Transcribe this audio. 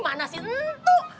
mana sih entuk